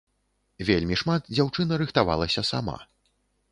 Вельмі шмат дзяўчына рыхтавалася сама.